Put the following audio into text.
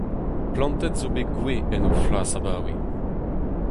Plantet zo bet gwez en o flas abaoe.